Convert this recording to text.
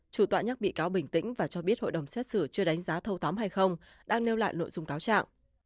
chủ tọa nhắc bị cáo bình tĩnh và cho biết hội đồng xét xử chưa đánh giá thâu tóm hay không đang nêu lại nội dung cáo trạng